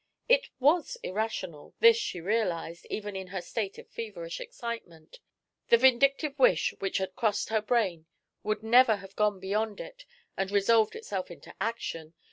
It was irrational this she realized even in her state of feverish excitement. The vindictive wish which had crossed her brain would never have gone beyond it and resolved itself into action.